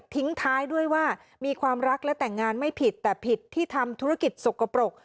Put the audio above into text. ทิ้งท้ายด้วยว่ามีความรักและแต่งงานไม่ผิดแต่ผิดที่ทำธุรกิจสกปรก